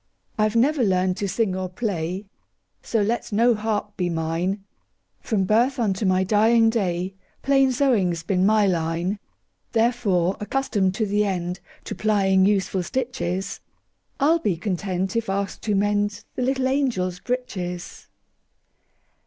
I 've never learned to sing or play, So let no harp be mine; From birth unto my dying day, Plain sewing 's been my line. Therefore, accustomed to the endTo plying useful stitches,I 'll be content if asked to mendThe little angels' breeches.